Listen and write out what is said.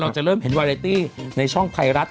จะเริ่มเห็นวาเรตี้ในช่องไทยรัฐ